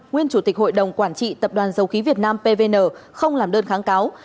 nguyên chủ tịch hội đồng quản trị tập đoàn dầu khí việt nam pvn không làm đơn kháng cáo